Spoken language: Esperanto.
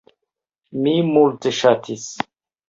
Mi multe ŝatis.